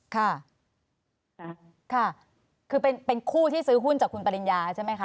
ค่ะค่ะคือเป็นคู่ที่ซื้อหุ้นจากคุณปริญญาใช่ไหมคะ